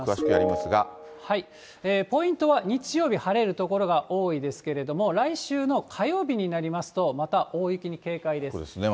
ポイントは日曜日、晴れる所が多いですけれども、来週の火曜日になりますと、また大雪に警戒です。